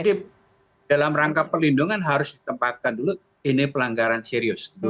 jadi dalam rangka perlindungan harus ditempatkan dulu ini pelanggaran serius dulu